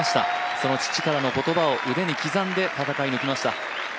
その父からの言葉を腕に刻んで戦い抜きました。